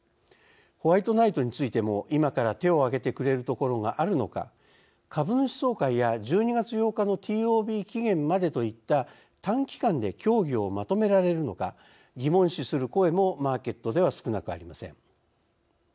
ホワイトナイトについても今から手をあげてくれるところがあるのか株主総会や１２月８日のＴＯＢ期限までといった短期間で協議をまとめられるのか疑問視する声もマーケットでは少なくありません。